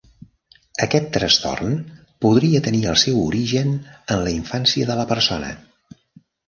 Aquest trastorn podria tenir el seu origen en l"infància de la persona.